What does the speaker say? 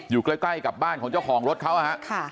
อยู่ใกล้กับบ้านของเจ้าของรถเขา